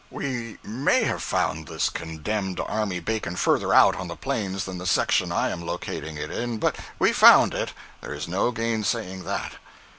We may have found this condemned army bacon further out on the plains than the section I am locating it in, but we found it—there is no gainsaying that.